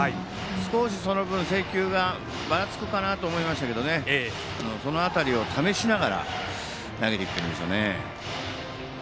少しその分制球がばらつくかなと思いましたけどその辺りを試しながら投げてきてるんでしょうね。